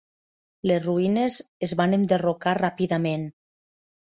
Les ruïnes es van enderrocar ràpidament.